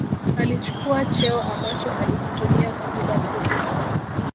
alichukua cheo ambacho alikitumia kwa muda mfupi